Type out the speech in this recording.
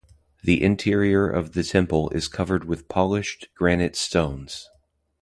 The interior of the temple is covered with polished granite stones.